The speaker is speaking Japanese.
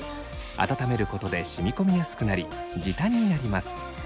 温めることで染み込みやすくなり時短になります。